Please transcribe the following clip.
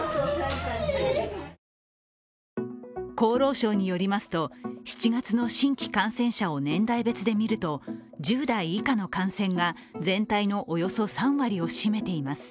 厚労省によりますと、７月の新規感染者を年代別に見ると１０代以下の感染が全体のおよそ３割を占めています。